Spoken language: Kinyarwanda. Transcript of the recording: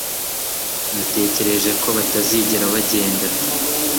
natekereje ko batazigera bagenda